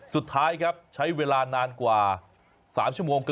สุดท้ายครับใช้เวลานานกว่า๓ชั่วโมง